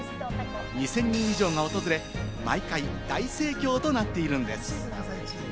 ２０００人以上が訪れ、毎回大盛況となっているんです。